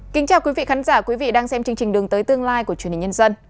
kính chào quý vị khán giả quý vị đang xem chương trình đường tới tương lai của truyền hình nhân dân